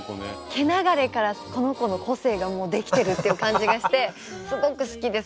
毛流れからこの子の個性がもうできてるっていう感じがしてすごく好きです。